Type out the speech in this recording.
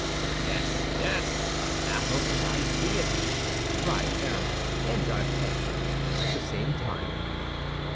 "Yes, yes! Athos's idea!" cried Aramis and D'Artagnan, at the same time.